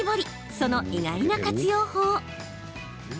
その意外な活用法。